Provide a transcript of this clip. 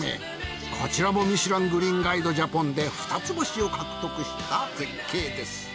こちらもミシュラン・グリーンガイド・ジャポンで２つ星を獲得した絶景です。